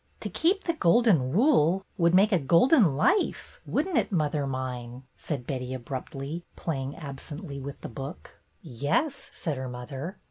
"To keep the Golden Rule would make a Golden Life, would n't it, mother mine ?" said Betty, abruptly, playing absently with the book "Yes," said her mother.